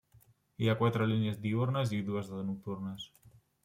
Hi ha quatre línies diürnes i dues de nocturnes.